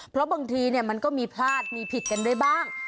เพราะบางทีมันก็มีพลาดมีผิดกันได้บ้าง